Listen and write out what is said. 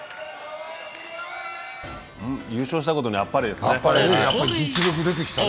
優勝したことにあっぱれですね。